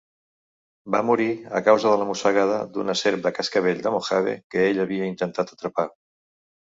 Va morir a causa de la mossegada d'una serp de cascavell de Mojave que ell havia intentat atrapar.